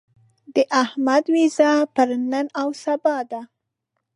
د احمد وېزه پر نن او سبا ده.